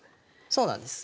そうなんです。